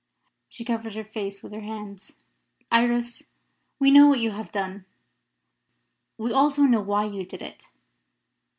She covered her face with her hands. "Iris, we know what you have done. We also know why you did it.